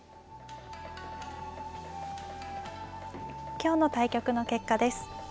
今日の対局の結果です。